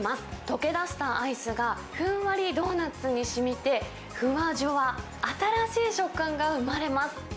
溶けだしたアイスがふんわりドーナツにしみて、ふわじゅわ、新しい食感が生まれます。